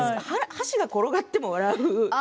箸が転がっても笑う。